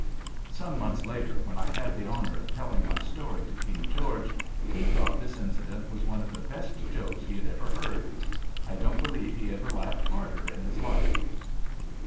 Some months later when I had the honor of telling my story to King George he thought this incident was one of the best jokes he had ever heard. I don't believe he ever laughed harder in his life.